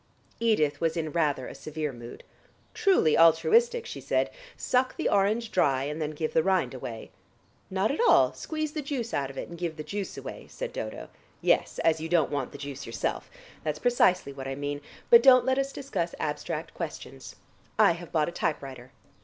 Edith was in rather a severe mood. "Truly altruistic," she said. "Suck the orange dry, and then give the rind away." "Not at all: squeeze the juice out of it, and give the juice away," said Dodo. "Yes, as you don't want the juice yourself. That's precisely what I mean. But don't let us discuss abstract questions; I have bought a typewriter."